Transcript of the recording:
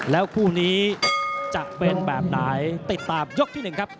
แล้วคู่นี้จะเป็นแบบไหนติดตามยกที่๑ครับ